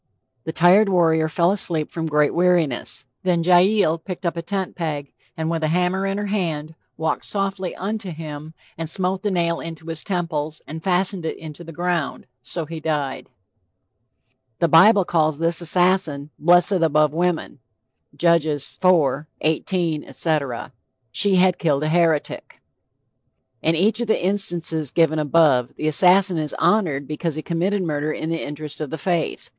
The tired warrior fell asleep from great weariness. Then Jael picked a tent peg and with a hammer in her hand "walked softly unto him, and smote the nail into his temples, and fastened it into the ground...So he died." The BIBLE calls this assassin "blessed above women." (Judge IV. 18, etc.) She had killed a heretic. In each of the instances given above, the assassin is honored because he committed murder in the interest of the faith.